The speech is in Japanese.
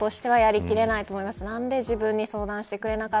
妻としてはやりきれないと思います。